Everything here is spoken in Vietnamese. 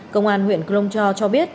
công an huyện khromcho cho biết